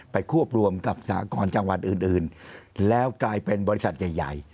ควบรวมกับสหกรจังหวัดอื่นแล้วกลายเป็นบริษัทใหญ่